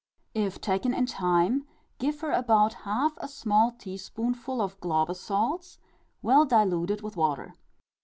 If taken in time, give her about half a small tea spoonful of glauber salts, well diluted with water.